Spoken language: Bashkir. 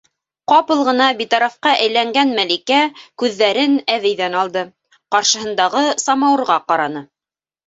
Ҡапыл ғына битарафҡа әйләнгән Мәликә күҙҙәрен әбейҙән алды, ҡаршыһындағы самауырға ҡараны.